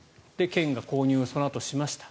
県が購入をそのあとしました。